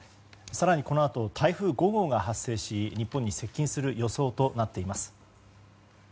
更にこのあと台風５号が発生し日本に接近する予想となっています。